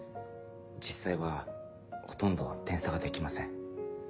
実際はほとんど点差ができません。